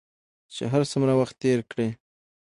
چې هر څومره وخت تېر کړې